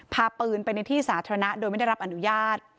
พาปืนไปในที่สาธารณะโดยไม่ได้รับอนุญาต